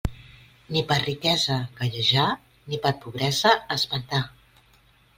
Ni per riquesa gallejar ni per pobresa espantar.